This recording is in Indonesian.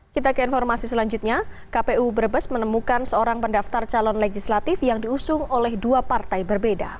kita ke informasi selanjutnya kpu brebes menemukan seorang pendaftar calon legislatif yang diusung oleh dua partai berbeda